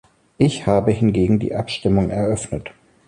Ich habe hingegen die Abstimmung eröffnet.